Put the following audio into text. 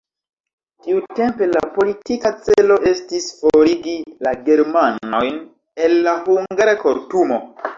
Tiutempe la politika celo estis forigi la germanojn el la hungara kortumo.